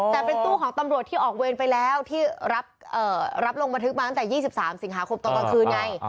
แต่เป็นตู้ของตำรวจที่ออกเวรไปแล้วที่รับลงบันทึกมาตั้งแต่๒๓สิงหาคมตอนกลางคืนไง